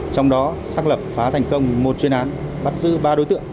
trong đó xác lập phá thành công một chuyên án bắt giữ ba đối tượng